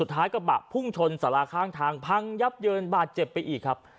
ท้ายกระบะพุ่งชนสาราข้างทางพังยับเยินบาดเจ็บไปอีกครับ